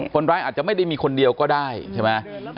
คนร้ายอาจจะไม่ได้มีคนเดียวก็ได้ใช่ไหม